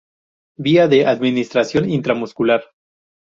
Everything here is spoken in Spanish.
Vía de administración: intramuscular.